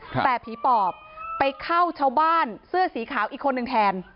แต่ผีปอบไปเข้าชาวบ้านเสื้อสีขาวอีกคนนึงแทน